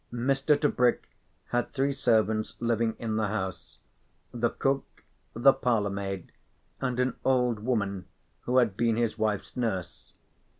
Mr. Tebrick had three servants living in the house, the cook, the parlour maid, and an old woman who had been his wife's nurse.